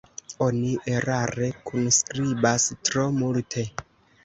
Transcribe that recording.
Oni erare kunskribas tro multe.